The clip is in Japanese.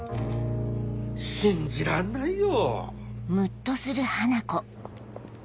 信じらんないよ！